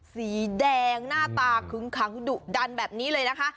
สีแดงหน้าตาคึ้งขังดุดันแบบนี้เลยนะคะ